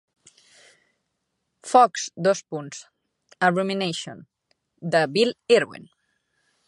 "Fox: a Rumination", de Bill Irwin.